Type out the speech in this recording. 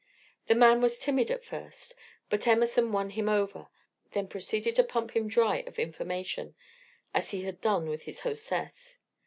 The man was timid at first, but Emerson won him over, then proceeded to pump him dry of information, as he had done with his hostess.